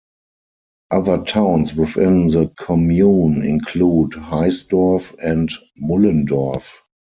Other towns within the commune include Heisdorf and Mullendorf.